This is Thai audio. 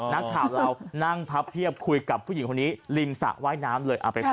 นักข่าวเรานั่งพับเพียบคุยกับผู้หญิงคนนี้ริมสระว่ายน้ำเลยเอาไปฟัง